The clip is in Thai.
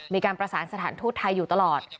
มีการประสานสถานทูตไทยอยู่ตลอด